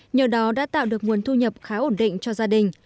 nhờ đó đã tạo được nguồn thu nhập khá ổn định cho gia đình